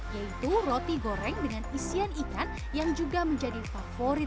yaitu roti goreng dengan isian ikan yang juga menjadi favorit